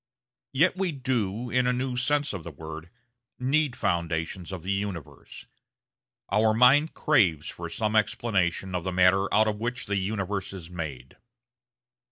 Yet we do, in a new sense of the word, need foundations of the universe. Our mind craves for some explanation of the matter out of which the universe is made.